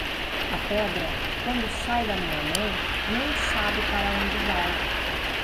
A pedra, quando sai da minha mão, não sabe para onde vai.